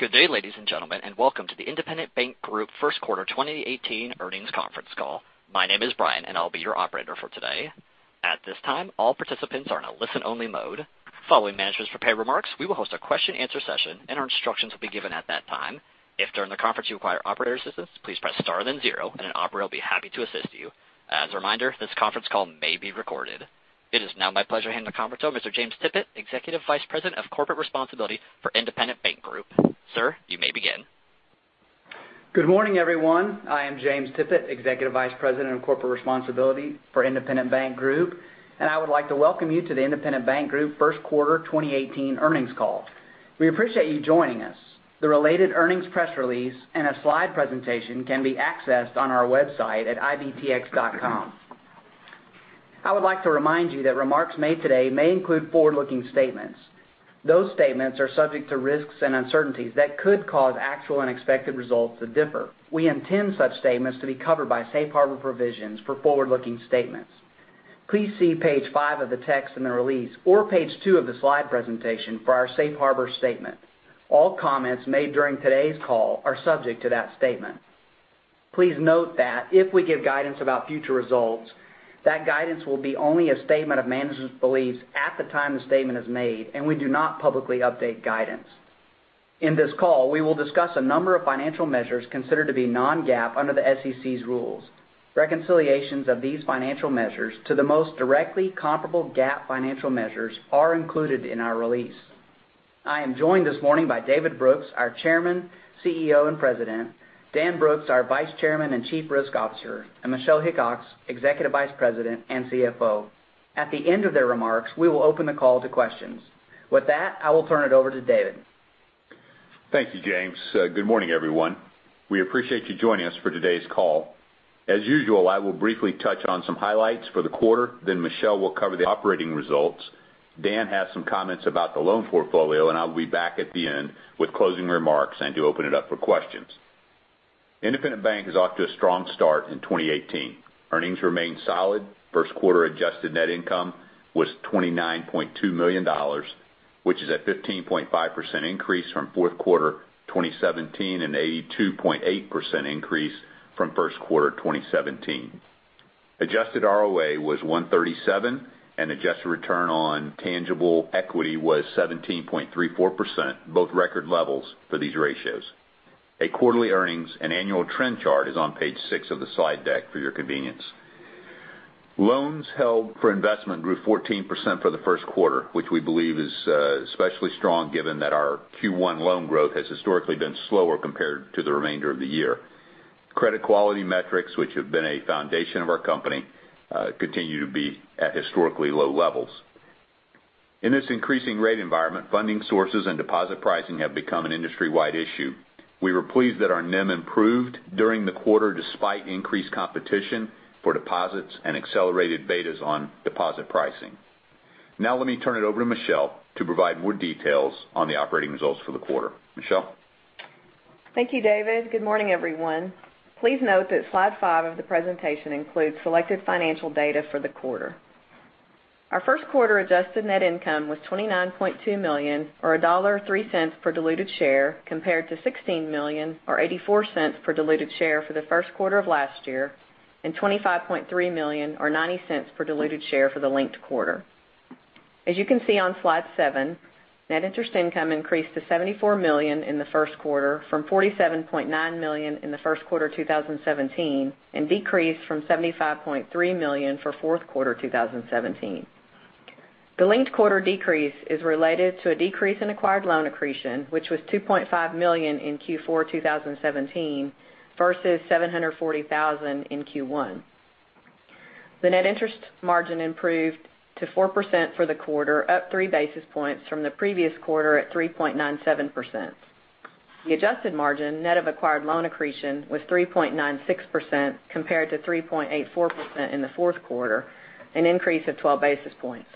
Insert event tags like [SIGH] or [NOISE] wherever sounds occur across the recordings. Good day, ladies and gentlemen, welcome to the Independent Bank Group First Quarter 2018 Earnings Conference Call. My name is Brian, and I will be your operator for today. At this time, all participants are in a listen only mode. Following management's prepared remarks, we will host a question-answer session, and our instructions will be given at that time. If, during the conference, you require operator assistance, please press star then 0, and an operator will be happy to assist you. As a reminder, this conference call may be recorded. It is now my pleasure to hand the conference over to James Tippit, Executive Vice President of Corporate Responsibility for Independent Bank Group. Sir, you may begin. Good morning, everyone. I am James Tippit, Executive Vice President of Corporate Responsibility for Independent Bank Group, I would like to welcome you to the Independent Bank Group First Quarter 2018 Earnings Call. We appreciate you joining us. The related earnings press release and a slide presentation can be accessed on our website at ibtx.com. I would like to remind you that remarks made today may include forward-looking statements. Those statements are subject to risks and uncertainties that could cause actual and expected results to differ. We intend such statements to be covered by safe harbor provisions for forward-looking statements. Please see page five of the text in the release, or page two of the slide presentation for our safe harbor statement. All comments made during today's call are subject to that statement. Please note that if we give guidance about future results, that guidance will be only a statement of management's beliefs at the time the statement is made, we do not publicly update guidance. In this call, we will discuss a number of financial measures considered to be non-GAAP under the SEC's rules. Reconciliations of these financial measures to the most directly comparable GAAP financial measures are included in our release. I am joined this morning by David Brooks, our Chairman, CEO, and President; Dan Brooks, our Vice Chairman and Chief Risk Officer; and Michelle Hickox, Executive Vice President and CFO. At the end of their remarks, we will open the call to questions. With that, I will turn it over to David. Thank you, James. Good morning, everyone. We appreciate you joining us for today's call. As usual, I will briefly touch on some highlights for the quarter, Michelle will cover the operating results. Dan has some comments about the loan portfolio, I will be back at the end with closing remarks and to open it up for questions. Independent Bank is off to a strong start in 2018. Earnings remain solid. First quarter adjusted net income was $29.2 million, which is a 15.5% increase from fourth quarter 2017 and a 82.8% increase from first quarter 2017. Adjusted ROA was 137, and adjusted return on tangible equity was 17.34%, both record levels for these ratios. A quarterly earnings and annual trend chart is on page six of the slide deck for your convenience. Loans held for investment grew 14% for the first quarter, which we believe is especially strong given that our Q1 loan growth has historically been slower compared to the remainder of the year. Credit quality metrics, which have been a foundation of our company, continue to be at historically low levels. In this increasing rate environment, funding sources and deposit pricing have become an industry-wide issue. We were pleased that our NIM improved during the quarter despite increased competition for deposits and accelerated betas on deposit pricing. Let me turn it over to Michelle to provide more details on the operating results for the quarter. Michelle? Thank you, David. Good morning, everyone. Please note that slide five of the presentation includes selected financial data for the quarter. Our first quarter adjusted net income was $29.2 million, or $1.03 per diluted share, compared to $16 million or $0.84 per diluted share for the first quarter of last year, and $25.3 million or $0.90 per diluted share for the linked quarter. As you can see on slide seven, net interest income increased to $74 million in the first quarter from $47.9 million in the first quarter 2017, and decreased from $75.3 million for fourth quarter 2017. The linked quarter decrease is related to a decrease in acquired loan accretion, which was $2.5 million in Q4 2017 versus $740,000 in Q1. The net interest margin improved to 4% for the quarter, up three basis points from the previous quarter at 3.97%. The adjusted margin, net of acquired loan accretion, was 3.96% compared to 3.84% in the fourth quarter, an increase of 12 basis points.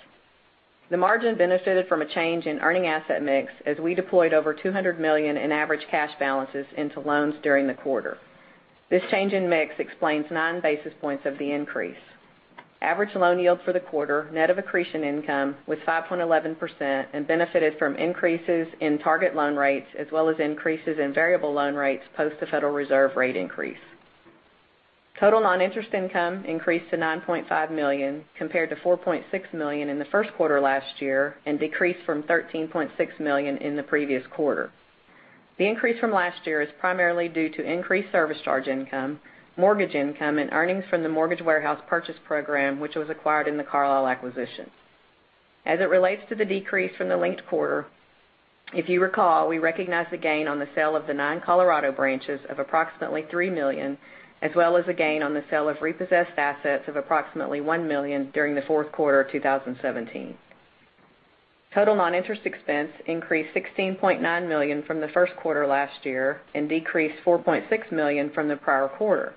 The margin benefited from a change in earning asset mix as we deployed over $200 million in average cash balances into loans during the quarter. This change in mix explains nine basis points of the increase. Average loan yield for the quarter, net of accretion income, was 5.11% and benefited from increases in target loan rates as well as increases in variable loan rates post the Federal Reserve rate increase. Total non-interest income increased to $9.5 million compared to $4.6 million in the first quarter last year, and decreased from $13.6 million in the previous quarter. The increase from last year is primarily due to increased service charge income, mortgage income, and earnings from the Mortgage Warehouse purchase program, which was acquired in the Carlile acquisition. As it relates to the decrease from the linked quarter, if you recall, we recognized a gain on the sale of the nine Colorado branches of approximately $3 million, as well as a gain on the sale of repossessed assets of approximately $1 million during the fourth quarter of 2017. Total non-interest expense increased $16.9 million from the first quarter last year and decreased $4.6 million from the prior quarter.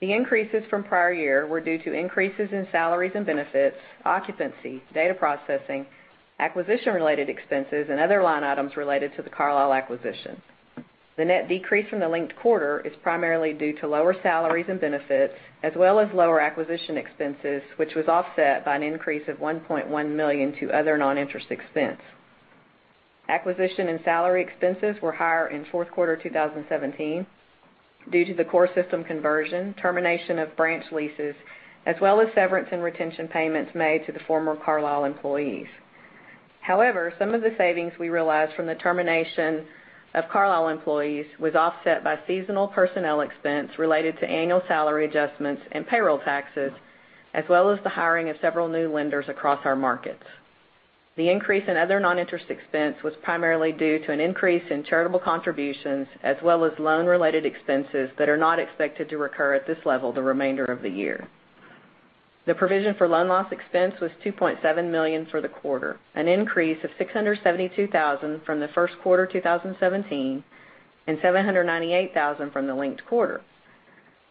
The increases from prior year were due to increases in salaries and benefits, occupancy, data processing, acquisition-related expenses, and other line items related to the Carlile acquisition. The net decrease from the linked quarter is primarily due to lower salaries and benefits, as well as lower acquisition expenses, which was offset by an increase of $1.1 million to other non-interest expense. Acquisition and salary expenses were higher in fourth quarter 2017 due to the core system conversion, termination of branch leases, as well as severance and retention payments made to the former Carlile employees. Some of the savings we realized from the termination of Carlile employees was offset by seasonal personnel expense related to annual salary adjustments and payroll taxes, as well as the hiring of several new lenders across our markets. The increase in other non-interest expense was primarily due to an increase in charitable contributions, as well as loan-related expenses that are not expected to recur at this level the remainder of the year. The provision for loan loss expense was $2.7 million for the quarter, an increase of $672,000 from the first quarter 2017, and $798,000 from the linked quarter.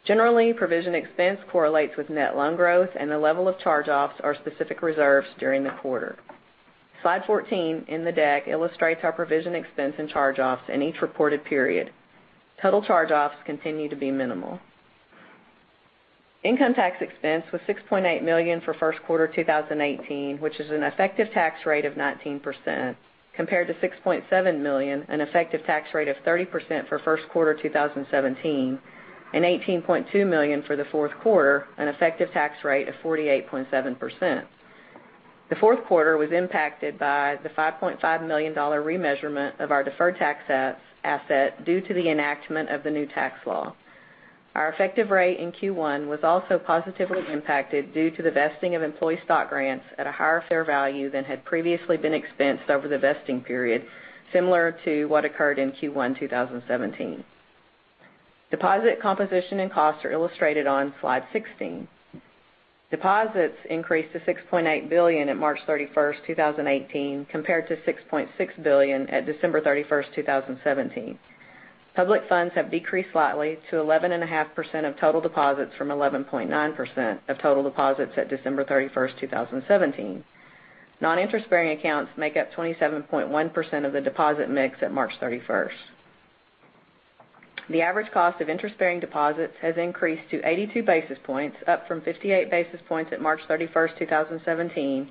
Generally, provision expense correlates with net loan growth and the level of charge-offs or specific reserves during the quarter. Slide 14 in the deck illustrates our provision expense and charge-offs in each reported period. Total charge-offs continue to be minimal. Income tax expense was $6.8 million for first quarter 2018, which is an effective tax rate of 19%, compared to $6.7 million, an effective tax rate of 30% for first quarter 2017, and $18.2 million for the fourth quarter, an effective tax rate of 48.7%. The fourth quarter was impacted by the $5.5 million remeasurement of our deferred tax asset due to the enactment of the new tax law. Our effective rate in Q1 was also positively impacted due to the vesting of employee stock grants at a higher fair value than had previously been expensed over the vesting period, similar to what occurred in Q1 2017. Deposit composition and costs are illustrated on Slide 16. Deposits increased to $6.8 billion at March 31st, 2018, compared to $6.6 billion at December 31st, 2017. Public funds have decreased slightly to 11.5% of total deposits from 11.9% of total deposits at December 31st, 2017. Non-interest-bearing accounts make up 27.1% of the deposit mix at March 31st. The average cost of interest-bearing deposits has increased to 82 basis points, up from 58 basis points at March 31st, 2017,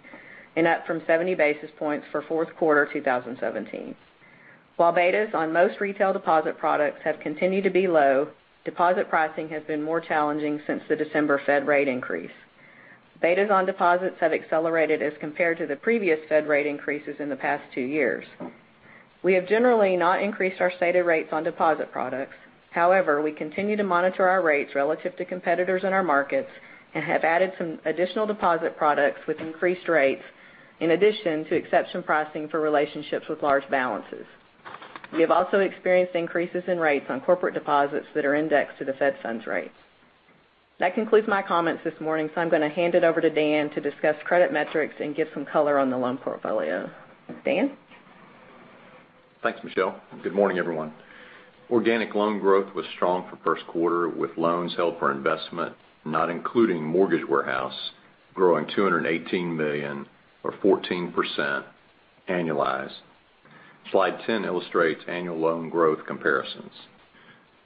and up from 70 basis points for fourth quarter 2017. While betas on most retail deposit products have continued to be low, deposit pricing has been more challenging since the December Fed rate increase. Betas on deposits have accelerated as compared to the previous Fed rate increases in the past two years. We have generally not increased our stated rates on deposit products. We continue to monitor our rates relative to competitors in our markets and have added some additional deposit products with increased rates, in addition to exception pricing for relationships with large balances. We have also experienced increases in rates on corporate deposits that are indexed to the Fed funds rates. That concludes my comments this morning, I'm going to hand it over to Dan to discuss credit metrics and give some color on the loan portfolio. Dan? Thanks, Michelle. Good morning, everyone. Organic loan growth was strong for first quarter with loans held for investment, not including Mortgage Warehouse, growing $218 million or 14% annualized. Slide 10 illustrates annual loan growth comparisons.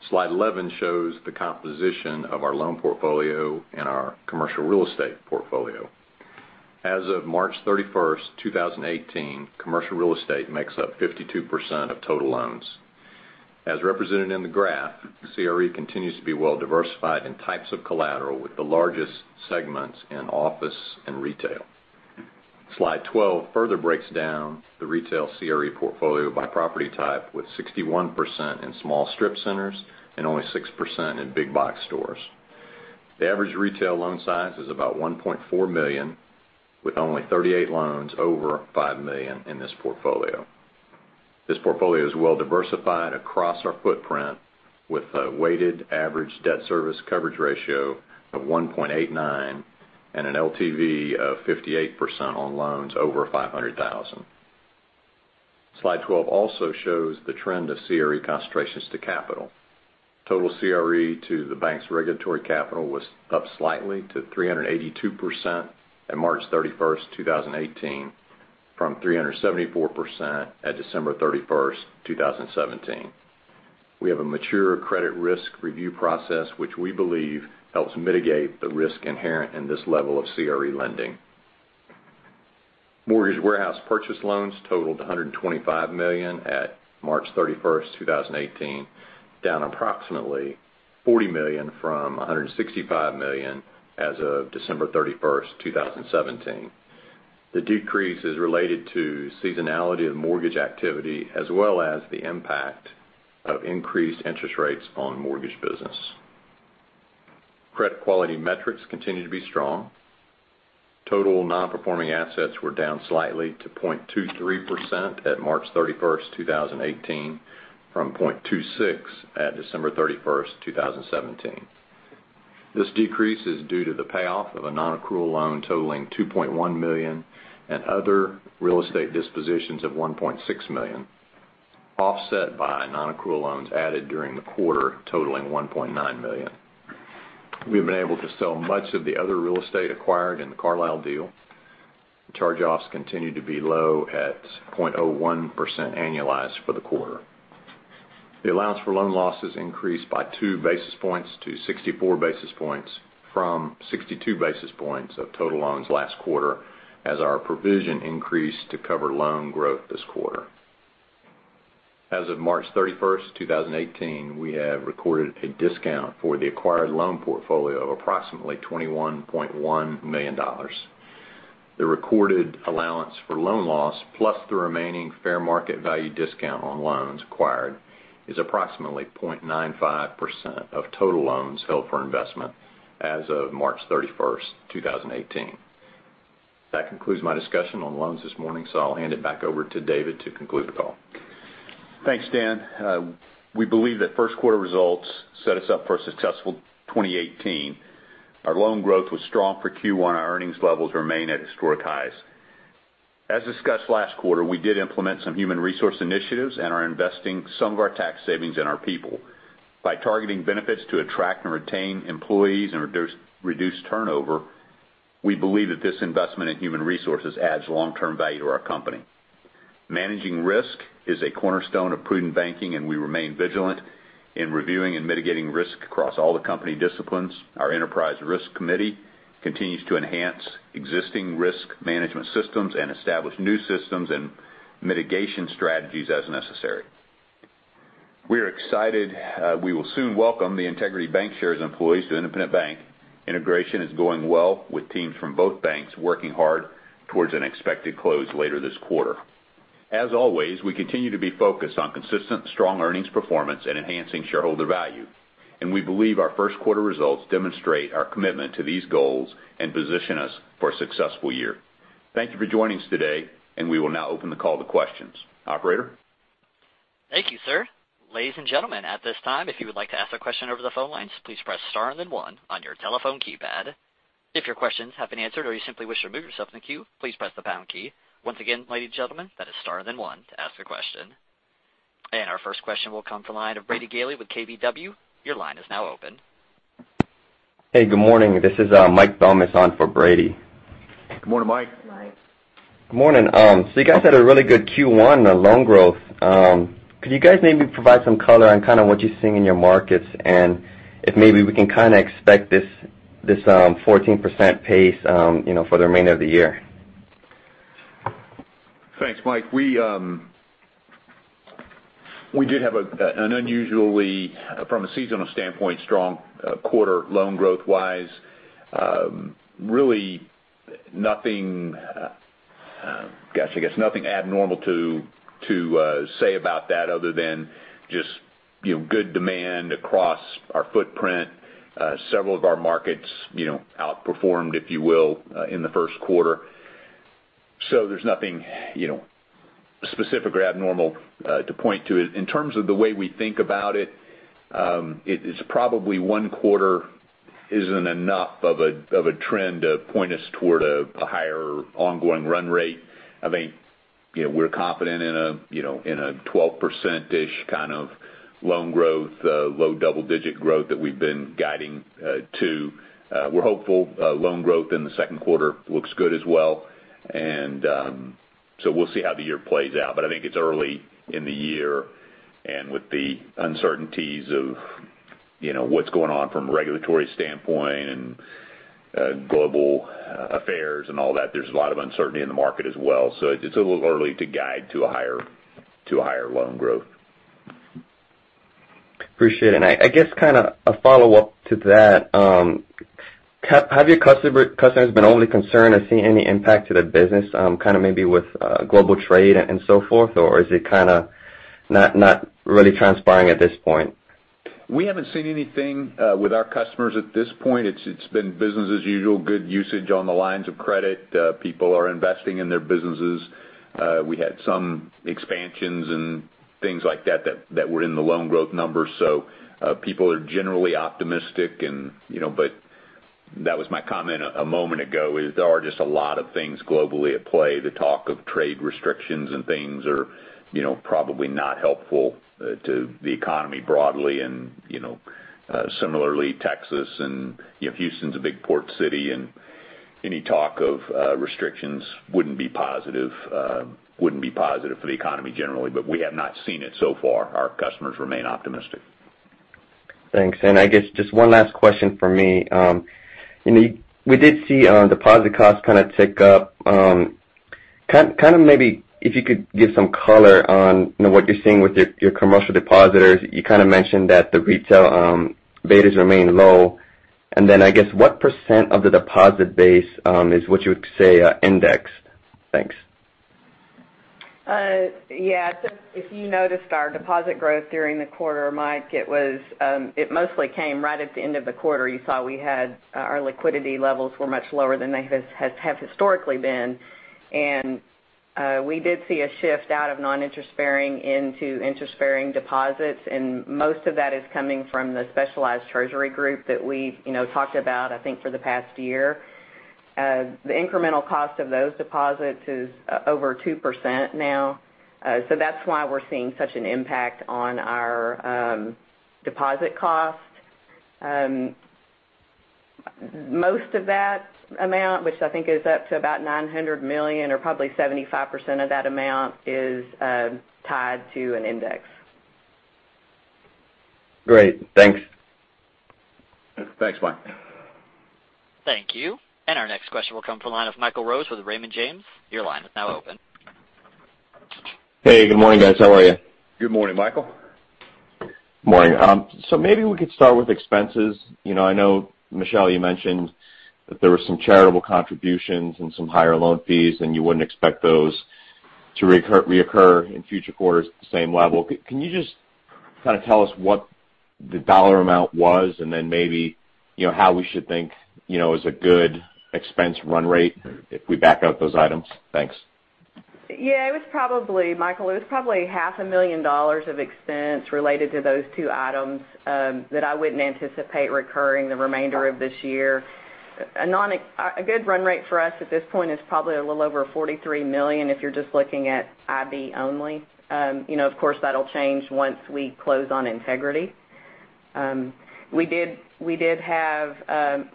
Slide 11 shows the composition of our loan portfolio and our commercial real estate portfolio. As of March 31st, 2018, commercial real estate makes up 52% of total loans. As represented in the graph, CRE continues to be well diversified in types of collateral, with the largest segments in office and retail. Slide 12 further breaks down the retail CRE portfolio by property type, with 61% in small strip centers and only 6% in big box stores. The average retail loan size is about $1.4 million, with only 38 loans over $5 million in this portfolio. This portfolio is well diversified across our footprint, with a weighted average debt service coverage ratio of 1.89 and an LTV of 58% on loans over $500,000. Slide 12 also shows the trend of CRE concentrations to capital. Total CRE to the bank's regulatory capital was up slightly to 382% at March 31st, 2018 from 374% at December 31st, 2017. We have a mature credit risk review process, which we believe helps mitigate the risk inherent in this level of CRE lending. Mortgage Warehouse purchase loans totaled $125 million at March 31st, 2018, down approximately $40 million from $165 million as of December 31st, 2017. The decrease is related to seasonality of mortgage activity, as well as the impact of increased interest rates on mortgage business. Credit quality metrics continue to be strong. Total non-performing assets were down slightly to 0.23% at March 31st, 2018 from 0.26% at December 31st, 2017. This decrease is due to the payoff of a non-accrual loan totaling $2.1 million and other real estate dispositions of $1.6 million, offset by non-accrual loans added during the quarter totaling $1.9 million. We've been able to sell much of the other real estate acquired in the Carlile deal. Charge-offs continue to be low at 0.01% annualized for the quarter. The allowance for loan losses increased by two basis points to 64 basis points from 62 basis points of total loans last quarter, as our provision increased to cover loan growth this quarter. As of March 31st, 2018, we have recorded a discount for the acquired loan portfolio of approximately $21.1 million. The recorded allowance for loan loss, plus the remaining fair market value discount on loans acquired, is approximately 0.95% of total loans held for investment as of March 31st, 2018. That concludes my discussion on loans this morning, I'll hand it back over to David to conclude the call. Thanks, Dan. We believe that first quarter results set us up for a successful 2018. Our loan growth was strong for Q1. Our earnings levels remain at historic highs. As discussed last quarter, we did implement some human resource initiatives and are investing some of our tax savings in our people. By targeting benefits to attract and retain employees and reduce turnover, we believe that this investment in human resources adds long-term value to our company. Managing risk is a cornerstone of prudent banking, and we remain vigilant in reviewing and mitigating risk across all the company disciplines. Our enterprise risk committee continues to enhance existing risk management systems and establish new systems and mitigation strategies as necessary. We are excited. We will soon welcome the Integrity Bancshares employees to Independent Bank. Integration is going well with teams from both banks working hard towards an expected close later this quarter. As always, we continue to be focused on consistent, strong earnings performance and enhancing shareholder value. We believe our first quarter results demonstrate our commitment to these goals and position us for a successful year. Thank you for joining us today, and we will now open the call to questions. Operator? Thank you, sir. Ladies and gentlemen, at this time, if you would like to ask a question over the phone lines, please press star and then one on your telephone keypad. If your questions have been answered or you simply wish to remove yourself from the queue, please press the pound key. Once again, ladies and gentlemen, that is star and then one to ask a question. Our first question will come from the line of Brady Gailey with KBW. Your line is now open. Hey, good morning. This is Mike [INAUDIBLE] on for Brady. Good morning, Mike. Good morning. Good morning. You guys had a really good Q1 on loan growth. Could you guys maybe provide some color on what you're seeing in your markets, and if maybe we can expect this 14% pace for the remainder of the year? Thanks, Mike. We did have an unusually, from a seasonal standpoint, strong quarter loan growth wise. Really nothing abnormal to say about that other than just good demand across our footprint. Several of our markets outperformed, if you will, in the first quarter. There's nothing specific or abnormal to point to. In terms of the way we think about it, probably one quarter isn't enough of a trend to point us toward a higher ongoing run rate. We're confident in a 12%-ish kind of loan growth, low double-digit growth that we've been guiding to. We're hopeful loan growth in the second quarter looks good as well. We'll see how the year plays out. I think it's early in the year, and with the uncertainties of what's going on from a regulatory standpoint and global affairs and all that, there's a lot of uncertainty in the market as well. It's a little early to guide to a higher loan growth. Appreciate it. I guess a follow-up to that, have your customers been only concerned or seen any impact to their business, maybe with global trade and so forth? Is it not really transpiring at this point? We haven't seen anything with our customers at this point. It's been business as usual, good usage on the lines of credit. People are investing in their businesses. We had some expansions and things like that that were in the loan growth numbers. People are generally optimistic. That was my comment a moment ago, is there are just a lot of things globally at play. The talk of trade restrictions and things are probably not helpful to the economy broadly. Similarly, Texas and Houston's a big port city, and any talk of restrictions wouldn't be positive for the economy generally. We have not seen it so far. Our customers remain optimistic. Thanks. I guess just one last question from me. We did see deposit costs kind of tick up. Maybe if you could give some color on what you're seeing with your commercial depositors. You mentioned that the retail betas remain low. Then, I guess, what % of the deposit base is what you would say indexed? Thanks. Yeah. If you noticed our deposit growth during the quarter, Mike, it mostly came right at the end of the quarter. You saw our liquidity levels were much lower than they have historically been. We did see a shift out of non-interest bearing into interest-bearing deposits, and most of that is coming from the specialized treasury group that we've talked about, I think, for the past year. The incremental cost of those deposits is over 2% now. That's why we're seeing such an impact on our deposit cost. Most of that amount, which I think is up to about $900 million, or probably 75% of that amount, is tied to an index. Great. Thanks. Thanks, Mike. Thank you. Our next question will come from the line of Michael Rose with Raymond James. Your line is now open. Good morning, guys. How are you? Good morning, Michael. Morning. Maybe we could start with expenses. I know, Michelle, you mentioned that there was some charitable contributions and some higher loan fees, and you wouldn't expect those to reoccur in future quarters at the same level. Can you just kind of tell us what the dollar amount was and then maybe how we should think is a good expense run rate if we back out those items? Thanks. Michael, it was probably half a million dollars of expense related to those two items that I wouldn't anticipate recurring the remainder of this year. A good run rate for us at this point is probably a little over $43 million if you're just looking at IB only. Of course, that'll change once we close on Integrity. We did have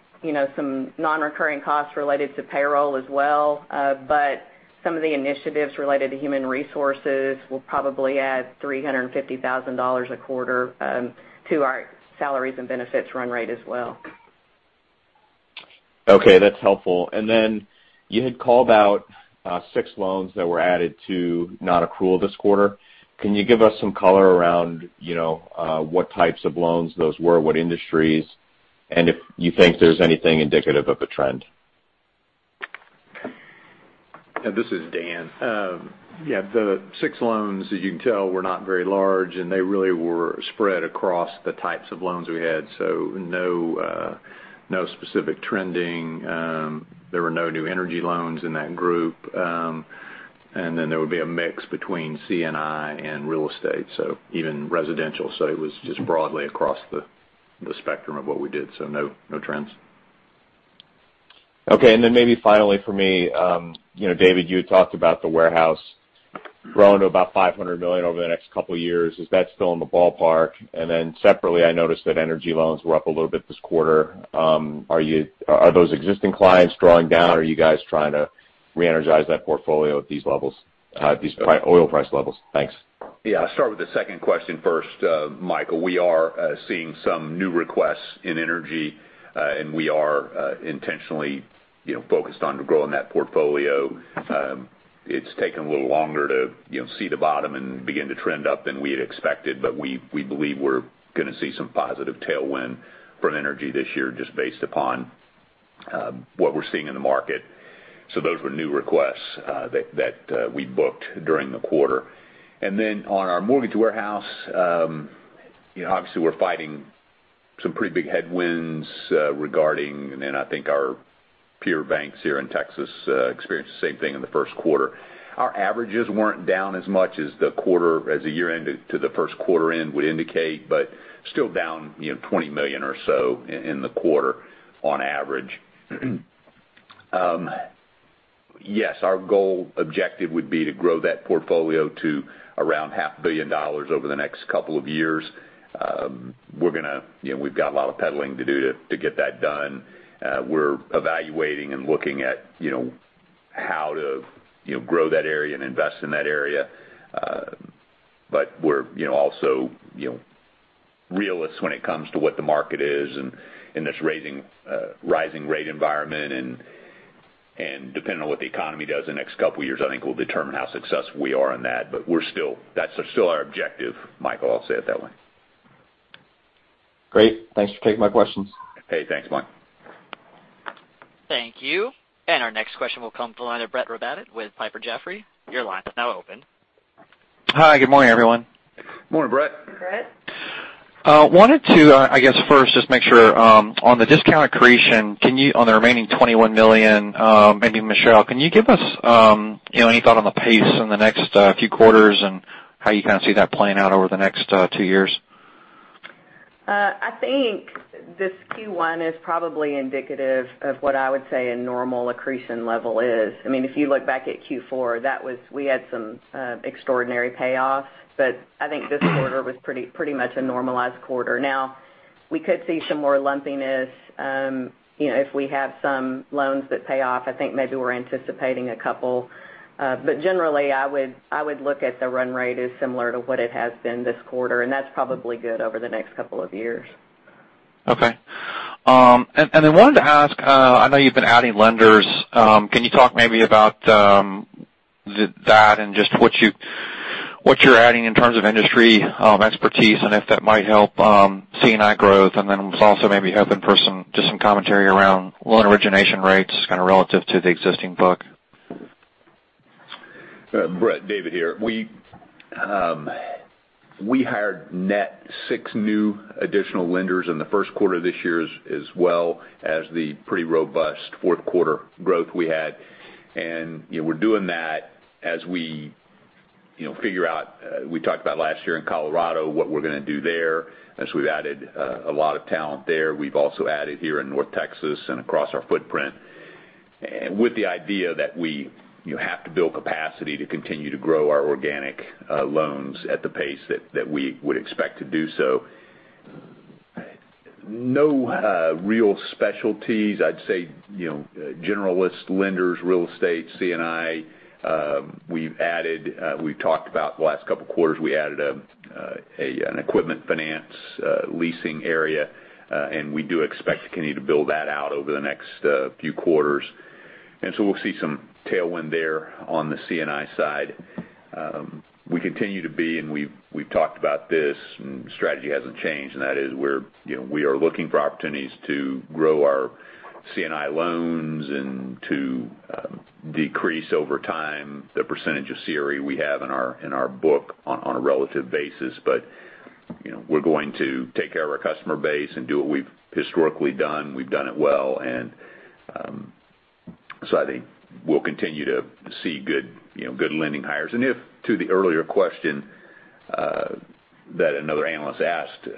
some non-recurring costs related to payroll as well. Some of the initiatives related to human resources will probably add $350,000 a quarter to our salaries and benefits run rate as well. Okay, that's helpful. You had called out six loans that were added to not accrue this quarter. Can you give us some color around what types of loans those were, what industries, and if you think there's anything indicative of a trend? This is Dan. The six loans, as you can tell, were not very large, and they really were spread across the types of loans we had. No specific trending. There were no new energy loans in that group. There would be a mix between C&I and real estate, even residential. It was just broadly across the spectrum of what we did. No trends. Maybe finally for me, David, you had talked about the Mortgage Warehouse growing to about $500 million over the next couple of years. Is that still in the ballpark? Separately, I noticed that energy loans were up a little bit this quarter. Are those existing clients drawing down, or are you guys trying to reenergize that portfolio at these oil price levels? Thanks. I'll start with the second question first, Michael. We are seeing some new requests in energy, and we are intentionally focused on growing that portfolio. It's taken a little longer to see the bottom and begin to trend up than we had expected. We believe we're going to see some positive tailwind from energy this year just based upon what we're seeing in the market. Those were new requests that we booked during the quarter. On our Mortgage Warehouse, obviously we're fighting some pretty big headwinds regarding, I think our peer banks here in Texas experienced the same thing in the first quarter. Our averages weren't down as much as the year-end to the first quarter-end would indicate, but still down $20 million or so in the quarter on average. Our goal objective would be to grow that portfolio to around half a billion dollars over the next couple of years. We've got a lot of peddling to do to get that done. We're evaluating and looking at how to grow that area and invest in that area. We're also realists when it comes to what the market is and this rising rate environment. Depending on what the economy does in the next couple of years, I think will determine how successful we are in that. That's still our objective, Michael, I'll say it that way. Great. Thanks for taking my questions. Hey, thanks, Mike. Thank you. Our next question will come from the line of Brett Rabatin with Piper Jaffray. Your line is now open. Hi, good morning, everyone. Morning, Brett. Brett. Wanted to, I guess, first just make sure, on the discount accretion on the remaining $21 million, maybe Michelle, can you give us any thought on the pace in the next few quarters and how you kind of see that playing out over the next two years? I think this Q1 is probably indicative of what I would say a normal accretion level is. If you look back at Q4, we had some extraordinary payoffs, but I think this quarter was pretty much a normalized quarter. Now, we could see some more lumpiness if we have some loans that pay off. I think maybe we're anticipating a couple. Generally, I would look at the run rate as similar to what it has been this quarter, and that's probably good over the next couple of years. Wanted to ask, I know you've been adding lenders. Can you talk maybe about that and just what you're adding in terms of industry expertise, and if that might help C&I growth? Was also maybe hoping for just some commentary around loan origination rates kind of relative to the existing book. Brett, David here. We hired net six new additional lenders in the first quarter of this year, as well as the pretty robust fourth quarter growth we had. We're doing that as we figure out, we talked about last year in Colorado, what we're going to do there, as we've added a lot of talent there. We've also added here in North Texas and across our footprint. With the idea that we have to build capacity to continue to grow our organic loans at the pace that we would expect to do so. No real specialties. I'd say generalist lenders, real estate, C&I. We've talked about the last couple of quarters, we added an equipment finance leasing area, and we do expect to continue to build that out over the next few quarters. We'll see some tailwind there on the C&I side. We continue to be, and we've talked about this, and the strategy hasn't changed, and that is we are looking for opportunities to grow our C&I loans and to decrease over time the percentage of CRE we have in our book on a relative basis. We're going to take care of our customer base and do what we've historically done. We've done it well. I think we'll continue to see good lending hires. If to the earlier question that another analyst asked,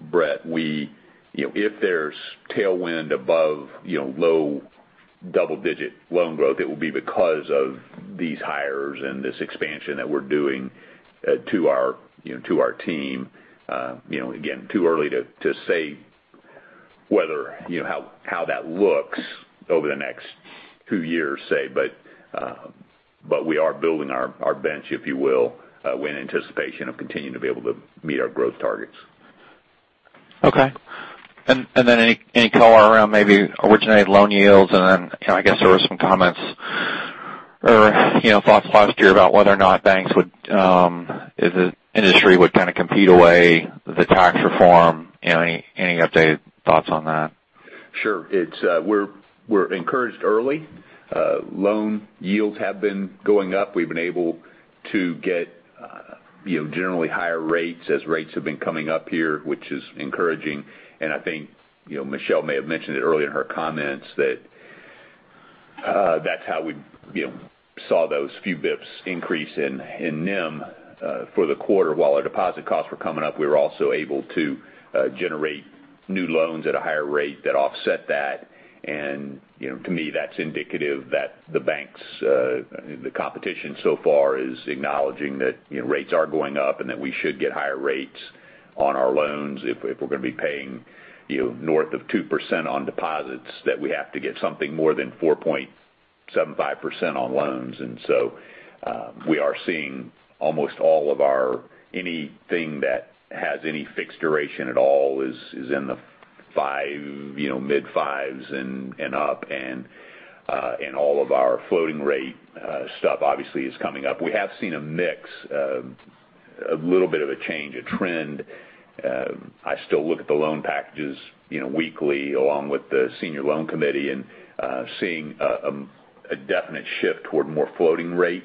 Brett, if there's tailwind above low double-digit loan growth, it will be because of these hires and this expansion that we're doing to our team. Again, too early to say how that looks over the next two years, say, but we are building our bench, if you will, in anticipation of continuing to be able to meet our growth targets. Okay. Any color around maybe originated loan yields, and then I guess there were some comments or thoughts last year about whether or not if the industry would kind of compete away the tax reform. Any updated thoughts on that? Sure. We're encouraged early. Loan yields have been going up. We've been able to get generally higher rates as rates have been coming up here, which is encouraging. I think Michelle may have mentioned it earlier in her comments that's how we saw those few bips increase in NIM for the quarter. While our deposit costs were coming up, we were also able to generate new loans at a higher rate that offset that. To me, that's indicative that the banks, the competition so far is acknowledging that rates are going up and that we should get higher rates on our loans if we're going to be paying north of 2% on deposits, that we have to get something more than 4.75% on loans. We are seeing almost all of our, anything that has any fixed duration at all is in the mid fives and up, and all of our floating rate stuff obviously is coming up. We have seen a mix, a little bit of a change, a trend. I still look at the loan packages weekly along with the senior loan committee and seeing a definite shift toward more floating rate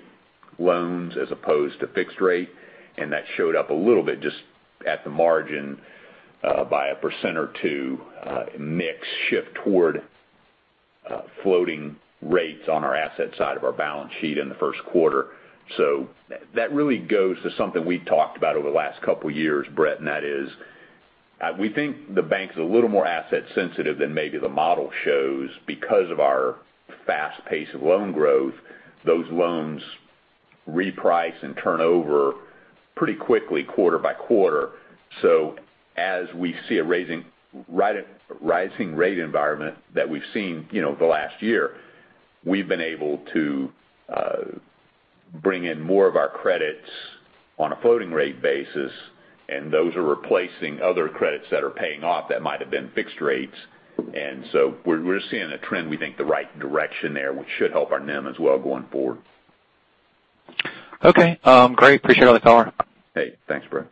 loans as opposed to fixed rate. That showed up a little bit just at the margin by a percent or two mix shift toward floating rates on our asset side of our balance sheet in the first quarter. That really goes to something we've talked about over the last couple of years, Brett, and that is we think the bank's a little more asset sensitive than maybe the model shows because of our fast pace of loan growth. Those loans reprice and turn over pretty quickly quarter by quarter. As we see a rising rate environment that we've seen the last year, we've been able to bring in more of our credits on a floating rate basis, and those are replacing other credits that are paying off that might've been fixed rates. We're seeing a trend, we think the right direction there, which should help our NIM as well going forward. Okay. Great. Appreciate all the color. Hey, thanks, Brett.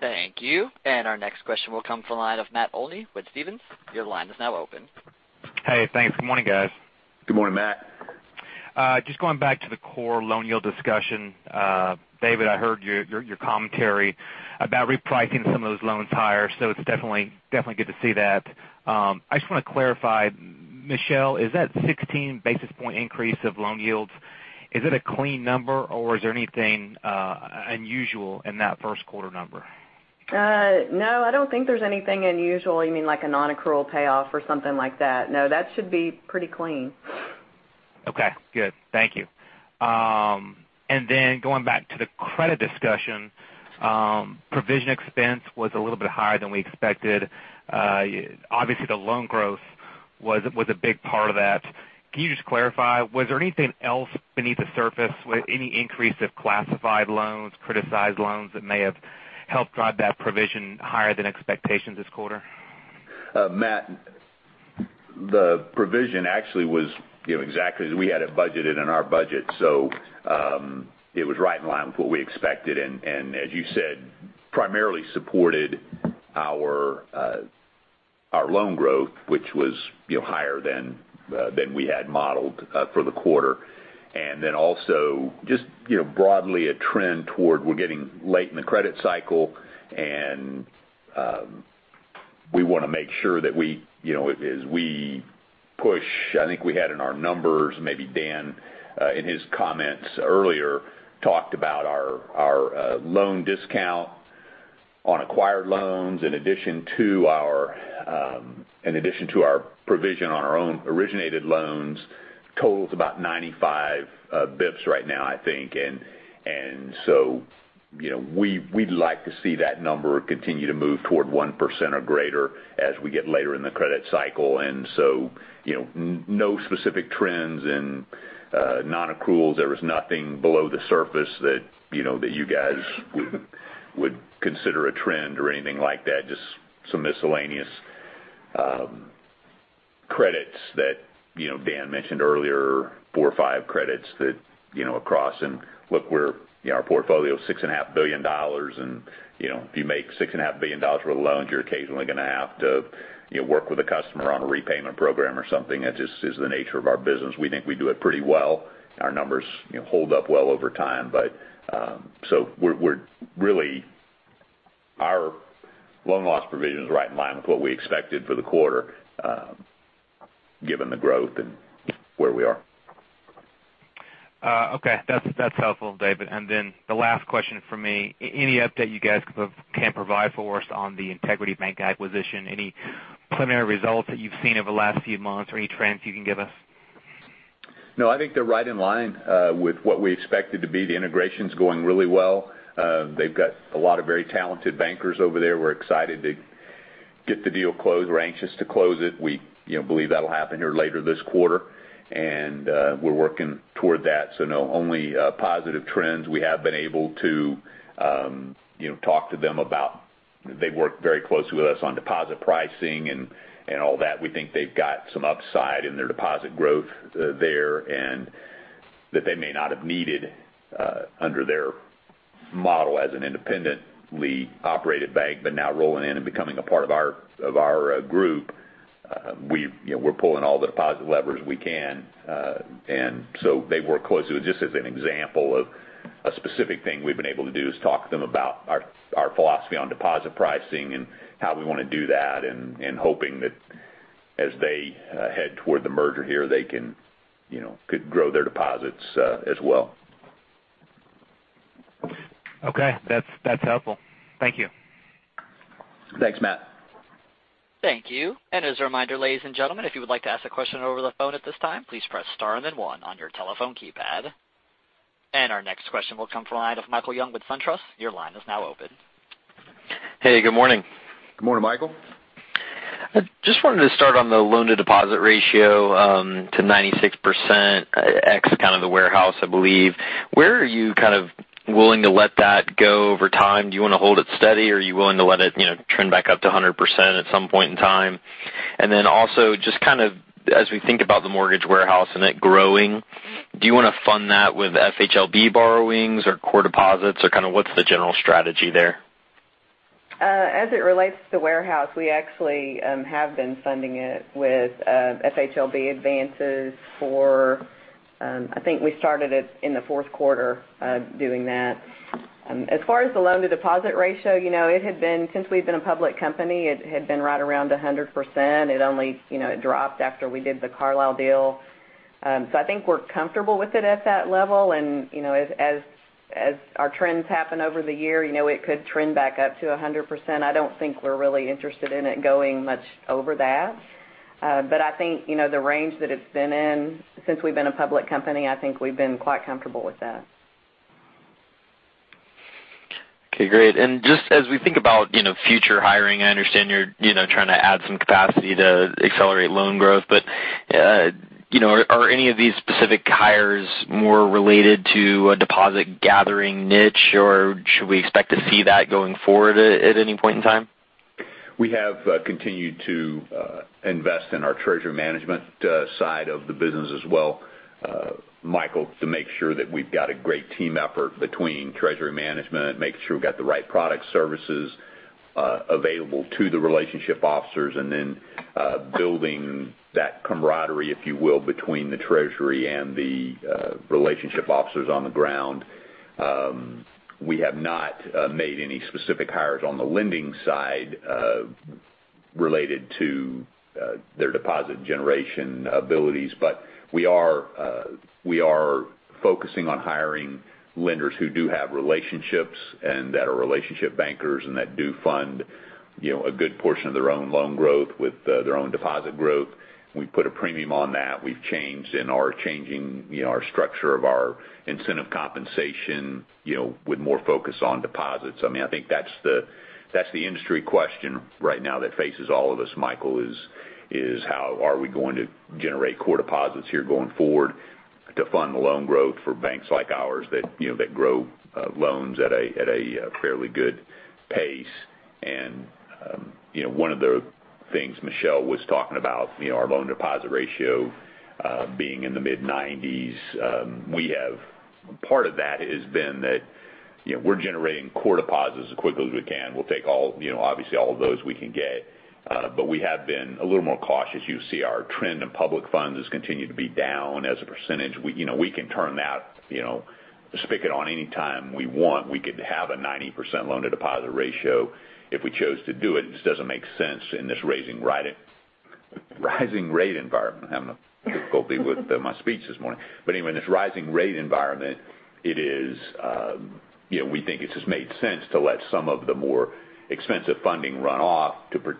Thank you. Our next question will come from the line of Matt Olney with Stephens. Your line is now open. Hey, thanks. Good morning, guys. Good morning, Matt. Just going back to the core loan yield discussion. David Brooks, I heard your commentary about repricing some of those loans higher. It's definitely good to see that. I just want to clarify, Michelle Hickox, is that 16 basis point increase of loan yields, is it a clean number or is there anything unusual in that first quarter number? No, I don't think there's anything unusual. You mean like a non-accrual payoff or something like that? No, that should be pretty clean. Okay, good. Thank you. Going back to the credit discussion, provision expense was a little bit higher than we expected. Obviously, the loan growth was a big part of that. Can you just clarify, was there anything else beneath the surface, any increase of classified loans, criticized loans that may have helped drive that provision higher than expectations this quarter? Matt Olney, the provision actually was exactly as we had it budgeted in our budget. It was right in line with what we expected. As you said, primarily supported our loan growth, which was higher than we had modeled for the quarter. Also just broadly a trend toward we're getting late in the credit cycle. I think we had in our numbers, maybe Daniel Brooks, in his comments earlier, talked about our loan discount on acquired loans in addition to our provision on our own originated loans totals about 95 bips right now, I think. We'd like to see that number continue to move toward 1% or greater as we get later in the credit cycle. No specific trends in non-accruals. There was nothing below the surface that you guys would consider a trend or anything like that. Just some miscellaneous credits that Dan mentioned earlier, four or five credits. Look, our portfolio is $6.5 billion, and if you make $6.5 billion worth of loans, you're occasionally going to have to work with a customer on a repayment program or something. That just is the nature of our business. We think we do it pretty well. Our numbers hold up well over time. Really, our loan loss provision is right in line with what we expected for the quarter, given the growth and where we are. Okay. That's helpful, David. The last question from me, any update you guys can provide for us on the Integrity Bank acquisition? Any preliminary results that you've seen over the last few months or any trends you can give us? I think they're right in line with what we expected to be. The integration's going really well. They've got a lot of very talented bankers over there. We're excited to get the deal closed. We're anxious to close it. We believe that'll happen here later this quarter, we're working toward that. Only positive trends. We have been able to talk to them, they've worked very closely with us on deposit pricing and all that. We think they've got some upside in their deposit growth there, that they may not have needed under their model as an independently operated bank, but now rolling in and becoming a part of our group, we're pulling all the deposit levers we can. They work closely with us. Just as an example of a specific thing we've been able to do is talk to them about our philosophy on deposit pricing and how we want to do that. Hoping that as they head toward the merger here, they could grow their deposits as well. Okay. That's helpful. Thank you. Thanks, Matt. Thank you. As a reminder, ladies and gentlemen, if you would like to ask a question over the phone at this time, please press star and then one on your telephone keypad. Our next question will come from the line of Michael Young with SunTrust. Your line is now open. Hey, good morning. Good morning, Michael. I just wanted to start on the loan to deposit ratio to 96%, ex kind of the Mortgage Warehouse, I believe. Where are you kind of willing to let that go over time? Do you want to hold it steady, or are you willing to let it trend back up to 100% at some point in time? Also, just as we think about the Mortgage Warehouse and it growing, do you want to fund that with FHLB borrowings or core deposits, or kind of what's the general strategy there? As it relates to Mortgage Warehouse, we actually have been funding it with FHLB advances for, I think we started it in the fourth quarter doing that. As far as the loan to deposit ratio, since we've been a public company, it had been right around 100%. It only dropped after we did the Carlile deal. I think we're comfortable with it at that level. As our trends happen over the year, it could trend back up to 100%. I don't think we're really interested in it going much over that. I think, the range that it's been in since we've been a public company, I think we've been quite comfortable with that. Okay, great. Just as we think about future hiring, I understand you're trying to add some capacity to accelerate loan growth, are any of these specific hires more related to a deposit gathering niche, or should we expect to see that going forward at any point in time? We have continued to invest in our treasury management side of the business as well, Michael, to make sure that we've got a great team effort between treasury management, making sure we've got the right product services available to the relationship officers, and then building that camaraderie, if you will, between the treasury and the relationship officers on the ground. We have not made any specific hires on the lending side related to their deposit generation abilities. We are focusing on hiring lenders who do have relationships and that are relationship bankers and that do fund a good portion of their own loan growth with their own deposit growth. We put a premium on that. We've changed and are changing our structure of our incentive compensation with more focus on deposits. I think that's the industry question right now that faces all of us, Michael, is how are we going to generate core deposits here going forward to fund the loan growth for banks like ours that grow loans at a fairly good pace. One of the things Michelle was talking about, our loan deposit ratio being in the mid-90s%. Part of that has been that we're generating core deposits as quickly as we can. We'll take obviously all of those we can get. We have been a little more cautious. You see our trend in public funds has continued to be down as a percentage. We can turn that spigot on any time we want. We could have a 90% loan to deposit ratio if we chose to do it. It just doesn't make sense in this rising rate environment. I'm having difficulty with my speech this morning. Anyway, in this rising rate environment, we think it just made sense to let some of the more expensive funding run off to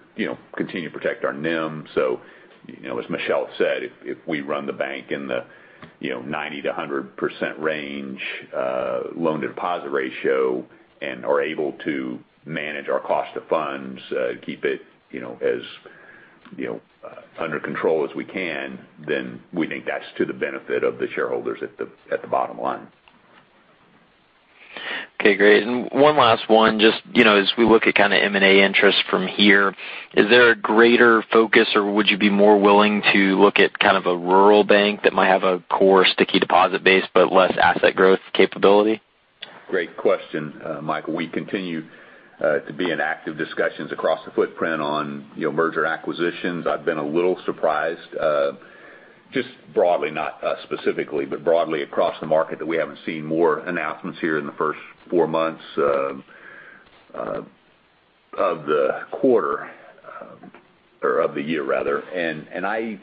continue to protect our NIM. As Michelle said, if we run the bank in the 90%-100% range loan-to-deposit ratio and are able to manage our cost of funds, keep it as under control as we can, then we think that's to the benefit of the shareholders at the bottom line. Okay, great. One last one. As we look at kind of M&A interest from here, is there a greater focus or would you be more willing to look at kind of a rural bank that might have a core sticky deposit base but less asset growth capability? Great question, Michael. We continue to be in active discussions across the footprint on merger and acquisitions. I've been a little surprised, just broadly, not specifically, broadly across the market, that we haven't seen more announcements here in the first four months of the year.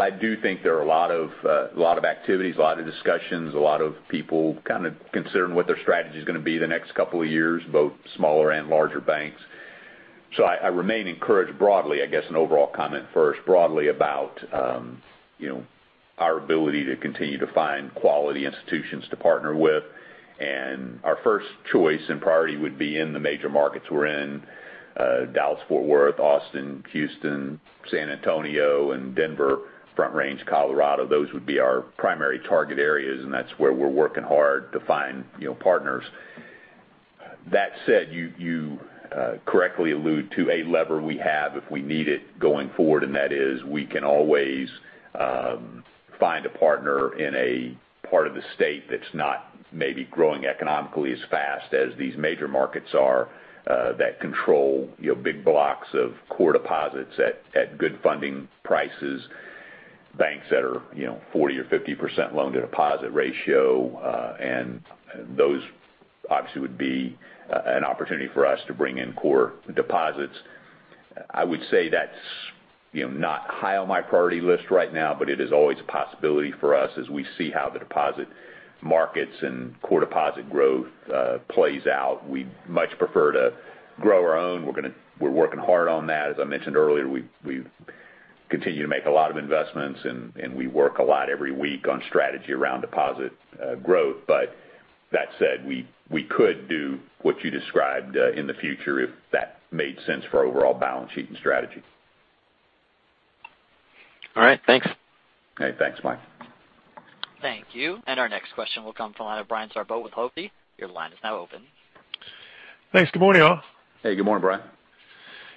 I do think there are a lot of activities, a lot of discussions, a lot of people kind of considering what their strategy is going to be the next couple of years, both smaller and larger banks. I remain encouraged broadly, I guess, an overall comment first, broadly about our ability to continue to find quality institutions to partner with. Our first choice and priority would be in the major markets we're in, Dallas-Fort Worth, Austin, Houston, San Antonio, and Denver, Front Range, Colorado. Those would be our primary target areas and that's where we're working hard to find partners. That said, you correctly allude to a lever we have if we need it going forward, and that is we can always find a partner in a part of the state that's not maybe growing economically as fast as these major markets are that control big blocks of core deposits at good funding prices, banks that are 40% or 50% loan-to-deposit ratio. Those obviously would be an opportunity for us to bring in core deposits. I would say that's not high on my priority list right now, but it is always a possibility for us as we see how the deposit markets and core deposit growth plays out. We'd much prefer to grow our own. We're working hard on that. As I mentioned earlier, we continue to make a lot of investments and we work a lot every week on strategy around deposit growth. That said, we could do what you described in the future if that made sense for overall balance sheet and strategy. All right, thanks. Okay, thanks, Mike. Thank you. Our next question will come from the line of Brian Zabora with Hovde Group. Your line is now open. Thanks. Good morning, all. Hey, good morning, Brian.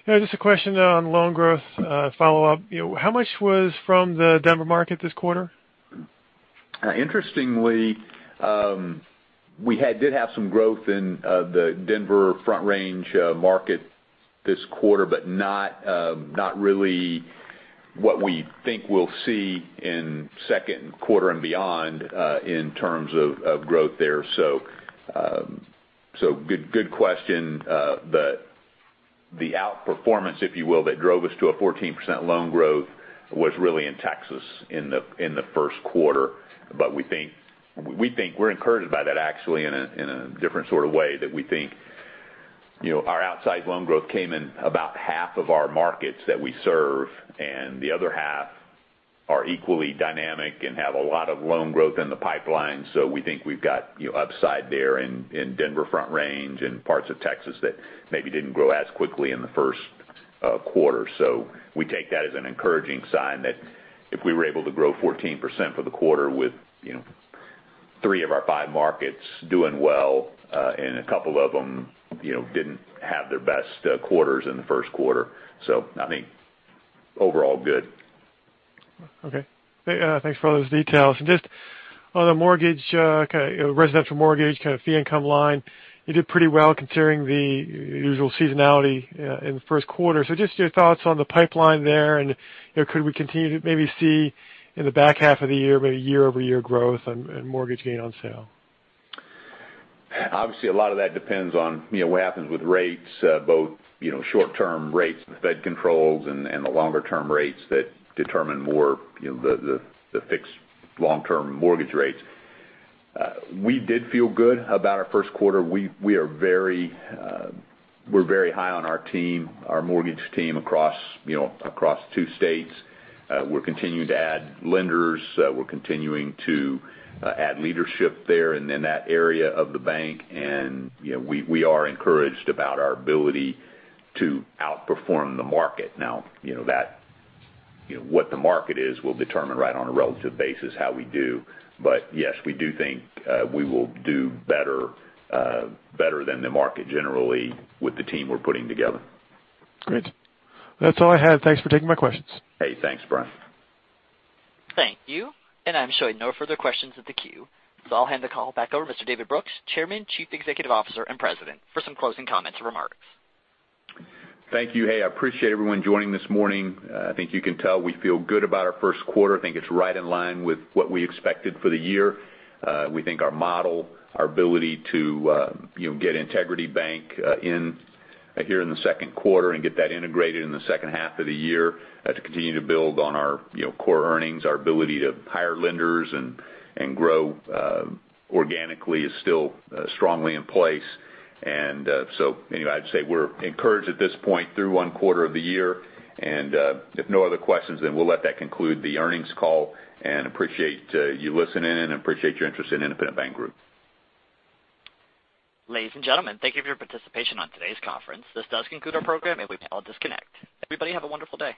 Yeah, just a question on loan growth follow-up. How much was from the Denver market this quarter? Interestingly, we did have some growth in the Denver Front Range market this quarter, but not really what we think we'll see in second quarter and beyond in terms of growth there. Good question. The outperformance, if you will, that drove us to a 14% loan growth was really in Texas in the first quarter. We're encouraged by that actually in a different sort of way that we think our outsized loan growth came in about half of our markets that we serve and the other half are equally dynamic and have a lot of loan growth in the pipeline. We think we've got upside there in Denver Front Range and parts of Texas that maybe didn't grow as quickly in the first quarter. We take that as an encouraging sign that if we were able to grow 14% for the quarter with three of our five markets doing well, and a couple of them didn't have their best quarters in the first quarter. I think overall good. Okay. Thanks for all those details. Just on the residential mortgage kind of fee income line, you did pretty well considering the usual seasonality in the first quarter. Just your thoughts on the pipeline there and could we continue to maybe see in the back half of the year, maybe year-over-year growth and mortgage gain on sale? A lot of that depends on what happens with rates both short-term rates the Fed controls and the longer-term rates that determine more the fixed long-term mortgage rates. We did feel good about our first quarter. We're very high on our mortgage team across two states. We're continuing to add lenders. We're continuing to add leadership there and in that area of the bank. We are encouraged about our ability to outperform the market. What the market is will determine right on a relative basis how we do. Yes, we do think we will do better than the market generally with the team we're putting together. Great. That's all I had. Thanks for taking my questions. Hey, thanks, Brian. Thank you. I'm showing no further questions at the queue. I'll hand the call back over to Mr. David Brooks, Chairman, Chief Executive Officer, and President, for some closing comments and remarks. Thank you. Hey, I appreciate everyone joining this morning. I think you can tell we feel good about our first quarter. I think it's right in line with what we expected for the year. We think our model, our ability to get Integrity Bank in here in the second quarter and get that integrated in the second half of the year to continue to build on our core earnings, our ability to hire lenders and grow organically is still strongly in place. Anyway, I'd say we're encouraged at this point through one quarter of the year. If no other questions, then we'll let that conclude the earnings call and appreciate you listening in and appreciate your interest in Independent Bank Group. Ladies and gentlemen, thank you for your participation on today's conference. This does conclude our program and we may all disconnect. Everybody have a wonderful day.